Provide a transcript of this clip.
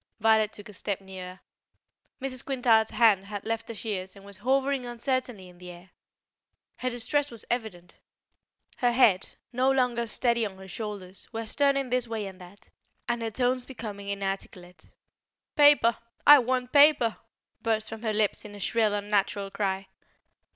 Violet took a step nearer. Mrs. Quintard's hand had left the shears and was hovering uncertainly in the air. Her distress was evident. Her head, no longer steady on her shoulders, was turning this way and that, and her tones becoming inarticulate. "Paper! I want paper" burst from her lips in a shrill unnatural cry.